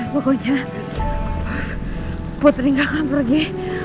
pokoknya putri gak akan pergi